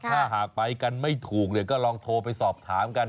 ถ้าหากไปกันไม่ถูกก็ลองโทรไปสอบถามกัน